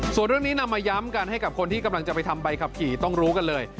ส่วนเรื่องนี้นำมาย้ำกันให้กับคนที่กำลังจะไปทำใบขับขี่ต้องรู้กันเลย